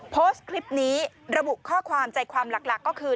โพสต์คลิปนี้ระบุข้อความใจความหลักก็คือ